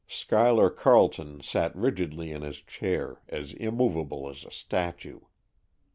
Schuyler Carleton sat rigidly in his chair, as immovable as a statue.